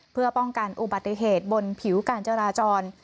เพื่อป้องกันอุบัติเหตุบนผิวการจราจร